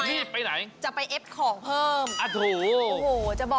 ขอแสดงความยินดีกับผู้ที่โชคดีได้รับมอเตอร์ไซค์ตั้งวันนี้ด้วยนะครับ